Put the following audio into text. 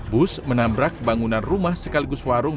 bus menabrak bangunan rumah sekaligus warung